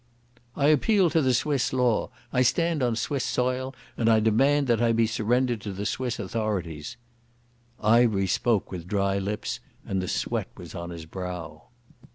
"I appeal to the Swiss law. I stand on Swiss soil, and I demand that I be surrendered to the Swiss authorities." Ivery spoke with dry lips and the sweat was on his brow.